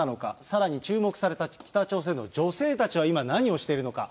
さらに注目された北朝鮮の女性たちは今、何をしているのか。